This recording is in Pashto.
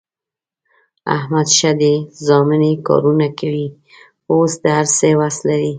احمد ښه دی زامن یې کارونه کوي، اوس د هر څه وس لري.